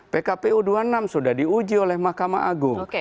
pkpu dua puluh enam sudah diuji oleh mahkamah agung